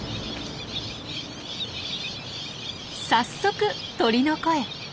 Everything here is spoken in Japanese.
早速鳥の声。